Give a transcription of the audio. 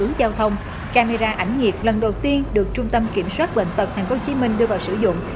trong thời gian hướng giao thông camera ảnh nhiệt lần đầu tiên được trung tâm kiểm soát bệnh tật tp hcm đưa vào sử dụng